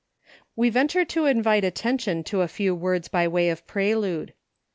We venture to invite attention to a few words by way of prelude.